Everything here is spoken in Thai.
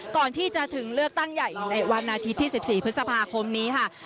ก่อนที่จะถึงเลือกตั้งใหญ่ในวันอาทิตย์ที่๑๔พฤษภาคมนี้ค่ะ